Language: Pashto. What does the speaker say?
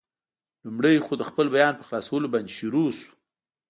لومړی خو، د خپل بیان په خلاصولو باندې شروع شو.